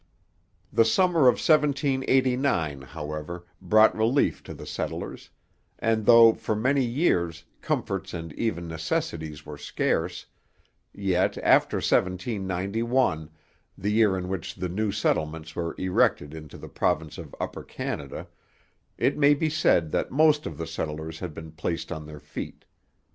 The summer of 1789, however, brought relief to the settlers, and though, for many years, comforts and even necessaries were scarce, yet after 1791, the year in which the new settlements were erected into the province of Upper Canada, it may be said that most of the settlers had been placed on their feet.